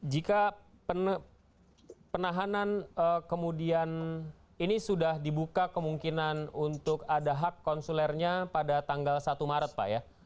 jika penahanan kemudian ini sudah dibuka kemungkinan untuk ada hak konsulernya pada tanggal satu maret pak ya